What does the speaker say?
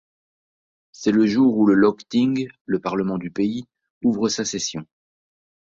C'est le jour où le Løgting, le parlement du pays, ouvre sa session.